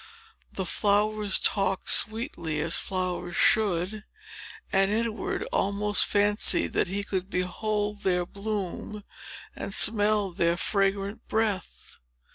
The flowers talked sweetly, as flowers should; and Edward almost fancied that he could behold their bloom and smell their fragrant breath.